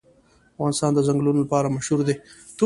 افغانستان د ځنګلونه لپاره مشهور دی.